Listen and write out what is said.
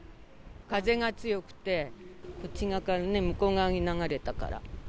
風が強くて、こっち側からね、向こう側に流れたから。